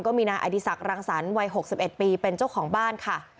ก็มีนายอดีศักดิรังสรรค์วัย๖๑ปีเป็นเจ้าของบ้านค่ะ